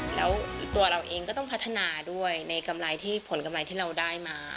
แล้วตัวเราเองก็ต้องพัฒนาด้วยในกำไรที่ผลกำไรที่เราได้มา